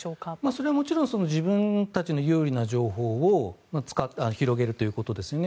それはもちろん自分たちの有利な情報を広げるということですよね。